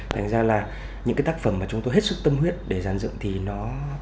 thành ra là những cái tác phẩm mà chúng tôi hết sức tâm huyết để giàn dựng thì nó